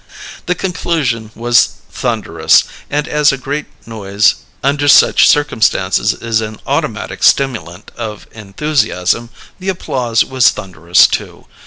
The conclusion was thunderous, and as a great noise under such circumstances is an automatic stimulant of enthusiasm, the applause was thunderous too.